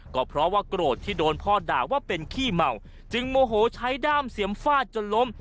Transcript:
ก็เพราะว่าโกรธที่โดนพ่อด่าว่าเป็นขี้เมาจึงโมโหใช้ด้ามเสียมฟาดจนล้ม